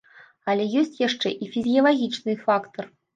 Але ёсць яшчэ і фізіялагічны фактар.